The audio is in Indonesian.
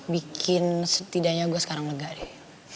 bikin setidaknya gue sekarang lega deh